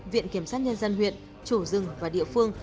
viện kiểm sát nhân dân huyện chủ rừng và địa phương